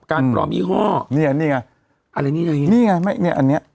การปลอมยี่ห้อเนี่ยอันนี้ไงเนี่ยไงไม่เนี่ยอันนี้